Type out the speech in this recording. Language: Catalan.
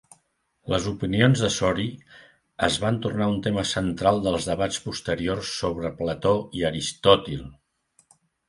Les opinions de Shorey es van tornar un tema central dels debats posteriors sobre Plató i Aristòtil.